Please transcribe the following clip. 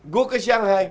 gue ke shanghai